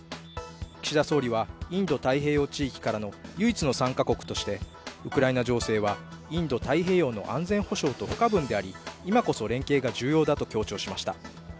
岸田総理はインド太平洋地域からの唯一の参加国としてウクライナ情勢はインド太平洋の安全保障と不可分であり、今こそ連携が重要だと強調しました。